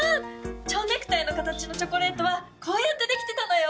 ちょうネクタイのかたちのチョコレートはこうやってできてたのよ！